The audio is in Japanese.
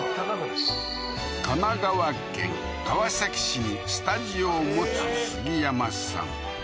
神奈川県川崎市にスタジオを持つ杉山さん